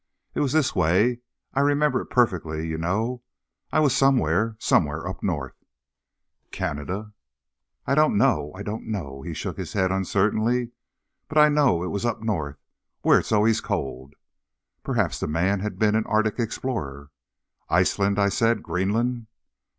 "It was this way. I remember it perfectly, you know. I was somewhere, somewhere up North " "Canada?" "I don't know I don't know." He shook his head uncertainly. "But I know it was up North where it's always cold." Perhaps the man had been an Arctic explorer. "Iceland?" I said, "Greenland?"